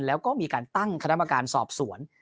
แล้วก็มีการตั้งคณะกรรมการสอบสวน